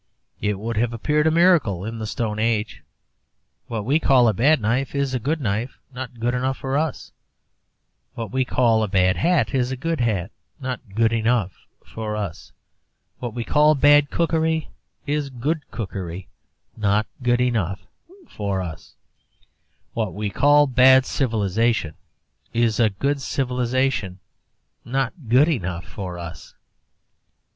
It would have appeared a miracle in the Stone Age. What we call a bad knife is a good knife not good enough for us; what we call a bad hat is a good hat not good enough for us; what we call bad cookery is good cookery not good enough for us; what we call a bad civilization is a good civilization not good enough for us.